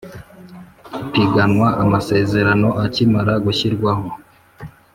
ipiganwa amasezerano akimara gushyirwaho